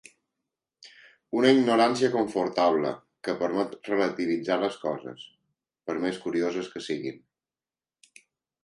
Una ignorància confortable, que permet relativitzar les coses, per més curioses que siguin.